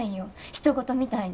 ひと事みたいに。